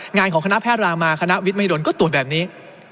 งานของคณะแพทย์รามาคณะวิทมหิดลก็ตรวจแบบนี้